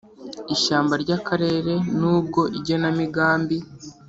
ishyamba ry Akarere n ubwo igenamigambi